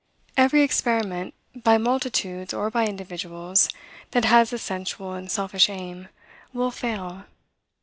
Every experiment, by multitudes or by individuals, that has a sensual and selfish aim, will fail.